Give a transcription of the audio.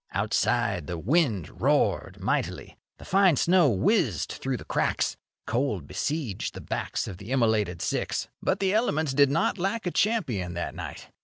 Outside the wind roared mightily, the fine snow whizzed through the cracks, the cold besieged the backs of the immolated six; but the elements did not lack a champion that night.